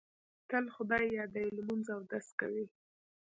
تل خدای یادوي، لمونځ اودس کوي.